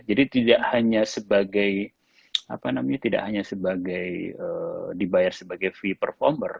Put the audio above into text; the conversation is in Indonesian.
jadi tidak hanya sebagai apa namanya tidak hanya sebagai dibayar sebagai free performer